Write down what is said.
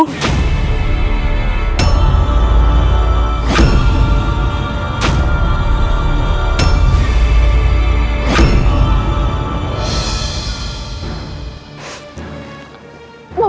agnes masuk akun